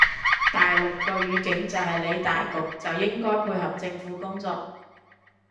大陸個語境就係理大局就應該配合政府工作